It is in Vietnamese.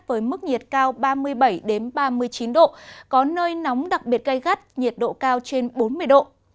với mức nhiệt cao ba mươi bảy ba mươi chín độ có nơi nóng đặc biệt gây gắt nhiệt độ cao trên bốn mươi độ